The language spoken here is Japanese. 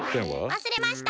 わすれました！